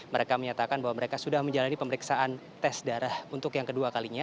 mereka menyatakan bahwa mereka sudah menjalani pemeriksaan tes darah untuk yang kedua kalinya